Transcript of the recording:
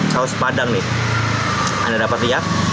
kau sepadang nih anda dapat lihat